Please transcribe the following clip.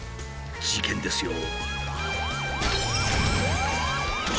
事件ですよ。